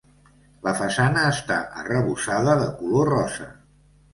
La façana està arrebossada de color rosa.